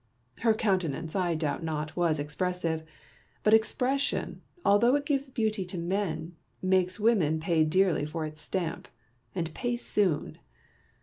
Her countenance, I doubt not, was expressive : but expression, although it gives beauty to men, makes women pay dearly for its stamp, and pay soon.